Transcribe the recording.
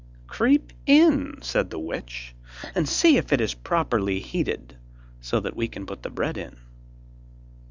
'Creep in,' said the witch, 'and see if it is properly heated, so that we can put the bread in.